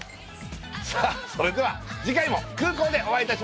さあそれでは次回も空港でお会いいたしましょう。